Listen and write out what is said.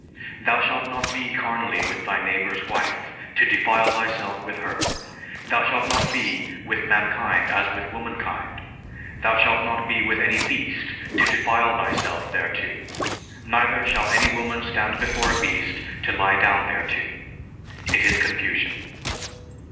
Thou shalt not be carnally with thy neighbor's wife, to defile thyself with her. Thou shalt not be with mankind as with womankind. And thou shalt not be with any beast to defile thyself thereto; neither shall any woman stand before a beast to lie down thereto; it is confusion."